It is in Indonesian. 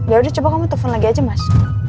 ya udah coba kamu telepon lagi aja mas